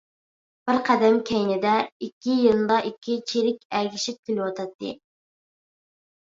بىر قەدەم كەينىدە، ئىككى يېنىدا ئىككى چىرىك ئەگىشىپ كېلىۋاتاتتى.